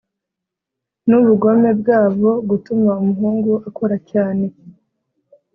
nubugome bwabo gutuma umuhungu akora cyane.